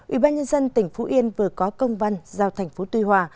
ủy ban nhân dân tỉnh phú yên vừa có công văn giao thành phố tuy hòa